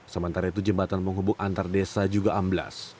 sementara itu jembatan penghubung antar desa juga amblas